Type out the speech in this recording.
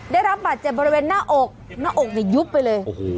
ได้รับบาดเจ็บบริเวณหน้าอกหน้าอกยุบไปเลย